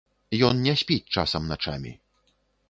Ён не спіць часам начамі.